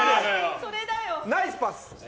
ナイスパス！